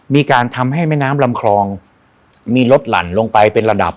มีการทำให้แม่น้ำลำคลองมีลดหลั่นลงไปเป็นระดับ